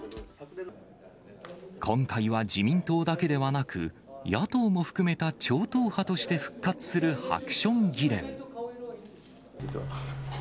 今回は自民党だけではなく、野党も含めた超党派として復活するハクション議連。